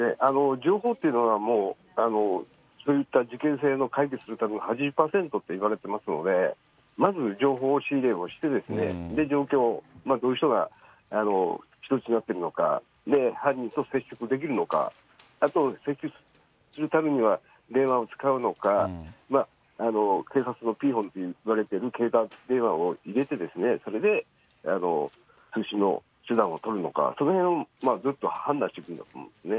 情報っていうのは、そういった事件性の解決するための８０％といわれていますので、まず情報仕入れをして、状況、どういう人が人質になっているのか、犯人と接触できるのか、あと接触するためには電話を使うのか、警察のといわれている警察電話を入れて、それで救出の手段を取るのか、そのへんずっと判断していくんだと思うんですね。